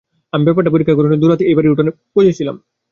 আমি ব্যাপারটা পরীক্ষা করার জন্যে দুরাত এই বাড়ির উঠোনে বসে ছিলাম।